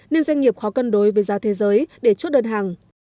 nên doanh nghiệp khó cân đối với giá thế giới để chốt đơn hàng